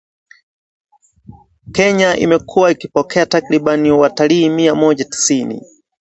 kenya imekuwa ikipokea takriban watalii mia moja tisini